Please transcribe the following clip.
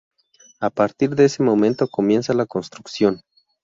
A partir de ese momento comienza la construcción.